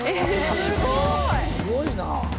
すごいな。